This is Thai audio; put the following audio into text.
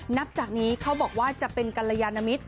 นับจากนี้เขาบอกว่าจะเป็นกรยานมิตร